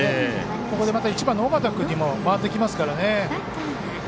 ここでまた１番の緒方君にも回ってきますからね。